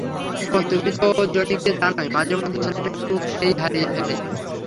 ওহ, তুমি তো জনিকে জানোই, মাঝে মধ্যে ছেলেটা একটু খেই হারিয়ে ফেলে।